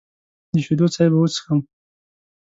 د شیدو چای به وڅښم.